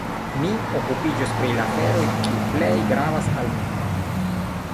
Mi okupiĝos pri la aferoj, kiuj plej gravas al mi.